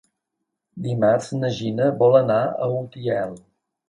Dimarts na Gina vol anar a Utiel.